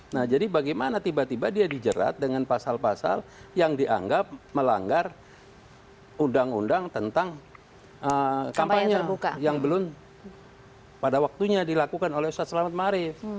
nah jadi bagaimana tiba tiba dia dijerat dengan pasal pasal yang dianggap melanggar undang undang tentang kampanye yang belum pada waktunya dilakukan oleh ustadz selamat marif ⁇